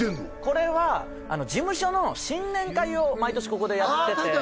これは事務所の新年会を毎年ここでやっててああ